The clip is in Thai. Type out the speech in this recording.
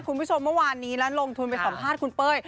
คุณผู้ชมเมื่อวานนี้แล้วลงทุนไปสัมภาษณ์คุณเป้ย